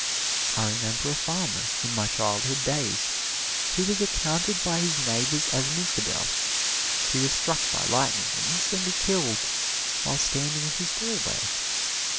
I remember a farmer, in my childhood days, who was accounted by his neighbors as an infidel. He was struck by lightning and instantly killed, while standing in his doorway.